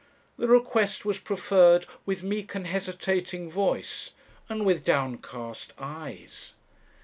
The request was preferred with meek and hesitating voice, and with downcast eyes.